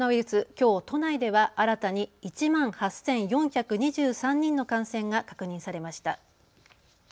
きょう都内では新たに１万８４２３人の感染が確認されました。